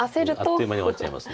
あっという間に終わっちゃいます。